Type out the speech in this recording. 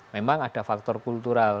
memang ada faktor kultural